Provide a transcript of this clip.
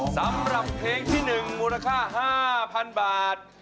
สำหรับเพลงที่๑มูลค่า๕๐๐๐บาท